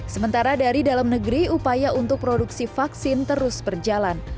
sementara dari dalam negeri upaya untuk produksi vaksin terus berjalan